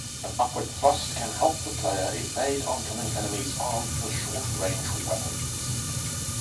An upward thrust can help the player evade oncoming enemies armed with short-range weapons.